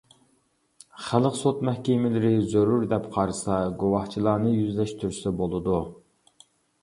خەلق سوت مەھكىمىلىرى زۆرۈر دەپ قارىسا، گۇۋاھچىلارنى يۈزلەشتۈرسە بولىدۇ.